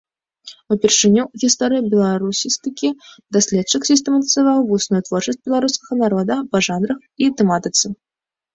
Упершыню ў гісторыі беларусістыкі даследчык сістэматызаваў вусную творчасць беларускага народа па жанрах і тэматыцы.